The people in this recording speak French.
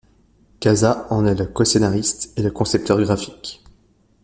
Caza en est le coscénariste et le concepteur graphique.